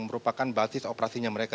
merupakan basis operasinya mereka